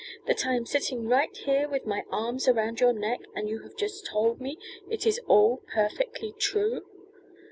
That I am sitting right here with my arms around your neck, and you have just told me it is all perfectly true?"